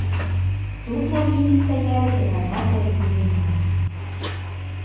Тут над імі стаялі прыганятыя з бізунамі.